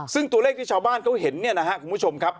ซึ่งตัวเลขที่ชาวบ้านเขาเห็นเนี่ยนะครับคุณผู้ชมครับ